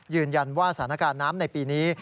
ยืนยันว่าสถานการณ์น้ำในปีนี้